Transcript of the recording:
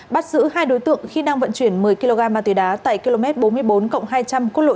bắt giữ hai đối tượng khi đang vận chuyển một mươi kg ma túy đá tại km bốn mươi bốn hai trăm linh quốc lộ